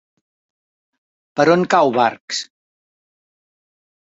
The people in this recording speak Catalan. Per on cau Barx?